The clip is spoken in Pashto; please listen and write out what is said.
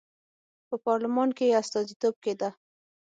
په پارلمان کې یې استازیتوب کېده.